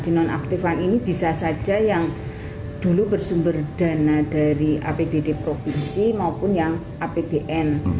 penonaktifan ini bisa saja yang dulu bersumber dana dari apbd provinsi maupun yang apbn